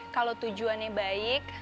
kalau tujuannya baik